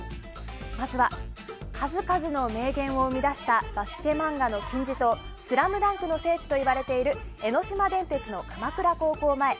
まずは数々の名言を生み出したバスケ漫画の金字塔「ＳＬＡＭＤＵＮＫ」の聖地といわれている江ノ島電鉄の鎌倉高校前。